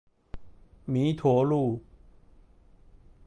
彌陀路